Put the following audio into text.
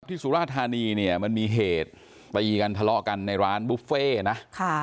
ที่สุราธารณีมันมีเหตุไปทะเลาะกันในร้านบุฟเฟ่นะ